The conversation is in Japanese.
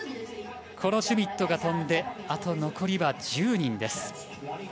シュミットが飛んであと残りは１０人です。